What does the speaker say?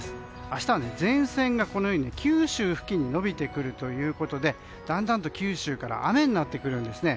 明日は前線が九州付近に延びてくるということでだんだんと九州から雨になってくるんですね。